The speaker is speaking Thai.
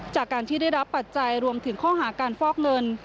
จากการที่ได้รับปัจจัยรวมถึงข้อหาการฟอกเงิน